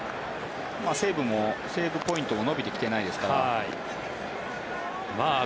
セーブポイントも伸びてきてないですから。